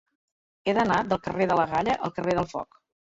He d'anar del carrer de la Galla al carrer del Foc.